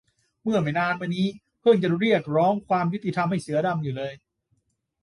เมื่อไม่นานมานี้เพิ่งจะเรียกร้องความยุติธรรมให้เสือดำอยู่เลย